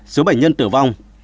ba số bệnh nhân tử vong